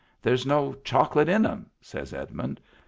" There's no chocolate in 'em," says Edmund.